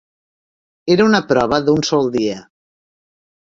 Era una prova d'un sol dia.